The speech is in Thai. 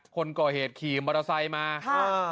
คนก่อเหตุขี่มอเตอร์ไซค์มาค่ะ